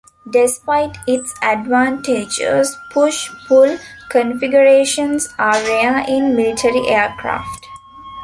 Despite its advantages push-pull configurations are rare in military aircraft.